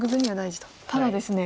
ただですね